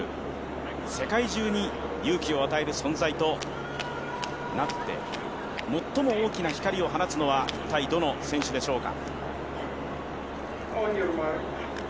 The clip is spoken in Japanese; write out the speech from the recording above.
世界中に勇気を与えてくれる存在となって最も大きな光を放つのはどの選手でしょうか。